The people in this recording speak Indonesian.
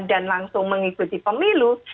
dan langsung mengikuti pemilu